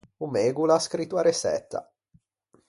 O mego o l’à scrito a reçetta.